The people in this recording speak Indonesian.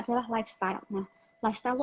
adalah lifestyle nah lifestyle